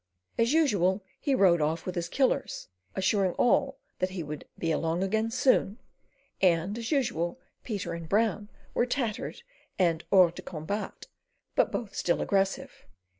As usual, he rode off with his killers, assuring all that he would "be along again soon," and, as usual, Peter and Brown were tattered and hors de combat, but both still aggressive.